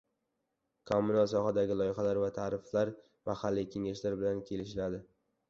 Kommunal sohadagi loyihalar va tariflar mahalliy kengashlar bilan kelishiladi